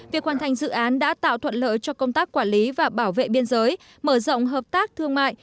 việc hoàn thành dự án đã tạo thuận lợi cho công tác quản lý và bảo vệ biên giới mở rộng hợp tác thương mại